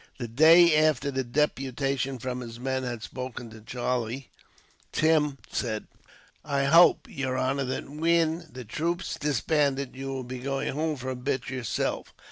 The day after the deputation from his men had spoken to Charlie, Tim said: "I hope, yer honor, that whin the troop's disbanded, you will be going home for a bit, yourself."